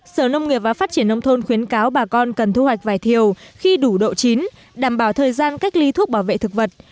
sở nông nghiệp và phát triển nông thôn khuyến cáo bà con cần thu hoạch vải thiều khi đủ độ chín đảm bảo thời gian cách ly thuốc bảo vệ thực vật